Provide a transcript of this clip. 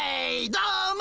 どうも！